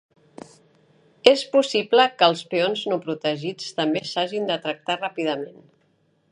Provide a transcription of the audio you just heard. És possible que els peons no protegits també s'hagin de tractar ràpidament.